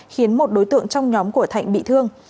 khiến một đối tượng trong nhóm của thạnh bị thương